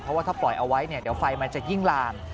เพราะว่าถ้าปล่อยเอาไว้เนี่ยเดี๋ยวไฟมันจะยิ่งลาม